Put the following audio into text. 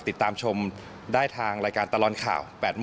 ติดตามชมได้ทางรายการตลอดข่าว๘โมง